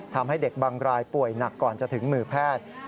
ทำให้เด็กบางรายป่วยหนักก่อนจะถึงมือแพทย์